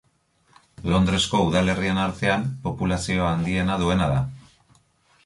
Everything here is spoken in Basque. Londresko udalerrien artean populazio handiena duena da.